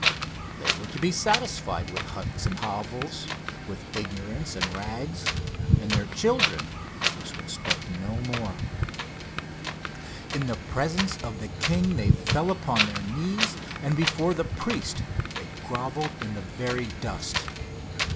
They were to be satisfied with huts and hovels, with ignorance and rags, and their children must expect no more. In the presence of the king they fell upon their knees, and before the priest they groveled in the very dust.